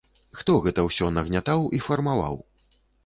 Хто гэта ўсё нагнятаў і фармаваў?